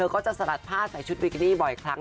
ก็จะสลัดผ้าใส่ชุดบิกินี่บ่อยครั้ง